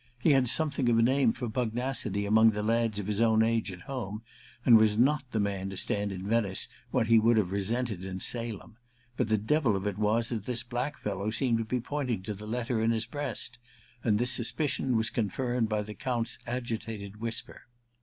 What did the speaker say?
He had some 324 A VENETIAN NIGHTS i thing of a name for pugnacity among the lads of his own age at home, and was not the man to stand in Venice what he would have resented in Salem ; but the devil of it was that this black fellow seemed to be pointing to the letter in his breast ; and this suspicion was confirmed by the G)unt's agitated whisper.